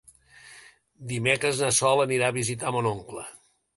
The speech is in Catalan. Dimecres na Sol anirà a visitar mon oncle.